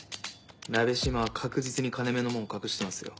「なべしま」は確実に金目のもの隠してますよ。